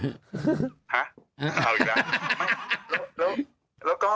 ฮะเอาอีกแล้ว